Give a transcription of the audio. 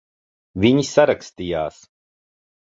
Viņi sarakstījās.